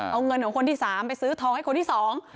เอาเงินของคนที่สามไปซื้อทองให้คนที่สอง